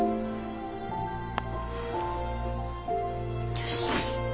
よし。